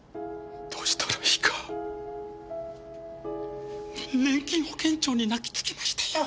どうしたらいいか年金保険庁に泣きつきましたよ。